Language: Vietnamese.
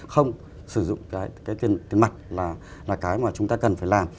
không sử dụng cái tiền mặt là cái mà chúng ta cần phải làm